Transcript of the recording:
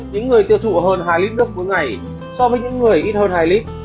những người tiêu thụ hơn hai lít đất mỗi ngày so với những người ít hơn hai lít